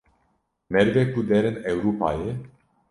Merivê ku derin Ewrupayê.